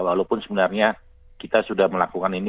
walaupun sebenarnya kita sudah melakukan ini